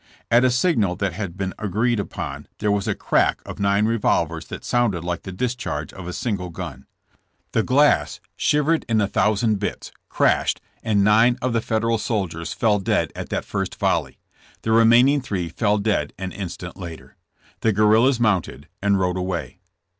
At a signal that had been agreed upon there was a crack of nine revolvers that sounded like the discharge of a single gun. The glass, shiv ered in a thousand bits, crashed, and nine of the Federal soldiers fell dead at that first volley. The remaining three fell dead an instant later. The guerrillas mounted and rode away.